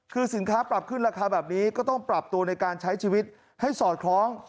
คือสินค้าปรับขึ้นราคาแบบนี้ก็ต้องปรับตัวในการใช้ชีวิตให้สอดคล้อง